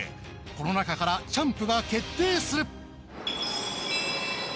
この中からチャンプが決定する。